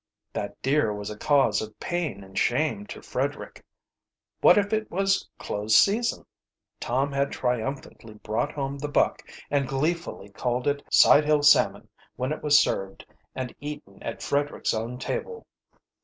That deer was a cause of pain and shame to Frederick. What if it was closed season? Tom had triumphantly brought home the buck and gleefully called it sidehill salmon when it was served and eaten at Frederick's own table.